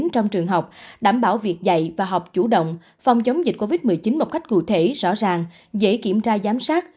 trong trường học đảm bảo việc dạy và học chủ động phòng chống dịch covid một mươi chín một cách cụ thể rõ ràng dễ kiểm tra giám sát